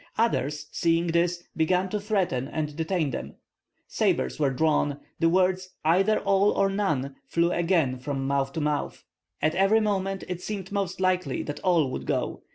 Others, seeing this, began to threaten and detain them. Sabres were drawn. The words "Either all or none" flew again from mouth to mouth. At every moment it seemed most likely that all would go.